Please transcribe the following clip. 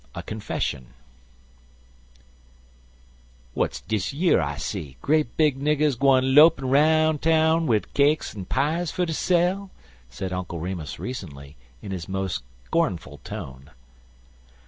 A CONFESSION "W'AT'S dis yer I see, great big niggers gwine 'lopin' 'roun' town wid cakes 'n pies fer ter sell?" asked Uncle Remus recently, in his most scornful tone.